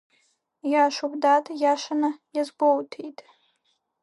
Иашоуп, дад, иашаны иазгәоуҭеит!